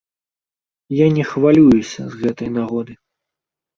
Я не хвалююся з гэтай нагоды.